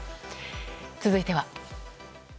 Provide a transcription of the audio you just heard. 続いては？